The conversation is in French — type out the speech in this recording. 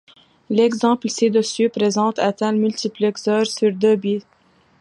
L'exemple ci-dessous présente un tel multiplexeur sur deux bits.